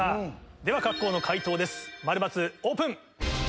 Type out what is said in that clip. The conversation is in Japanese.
では各校の解答です○×オープン。